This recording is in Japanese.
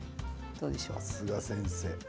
さすが先生